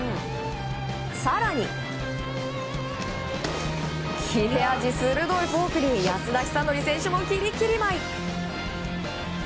更に、切れ味鋭いフォークに安田尚憲選手もきりきり舞い。